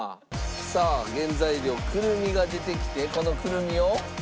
さあ原材料くるみが出てきてこのくるみを。